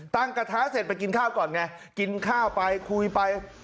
ตั้งกระทะแล้วกินข้าวก่อนไงกินข้าวคุยไป